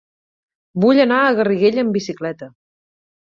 Vull anar a Garriguella amb bicicleta.